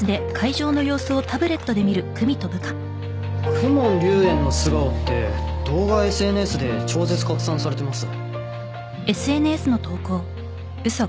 「公文竜炎の素顔」って動画ＳＮＳで超絶拡散されてます